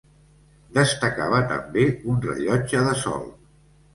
Destacava també un rellotge de sol.